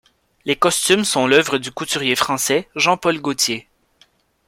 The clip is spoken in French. Les costumes sont l'œuvre du couturier français Jean Paul Gaultier.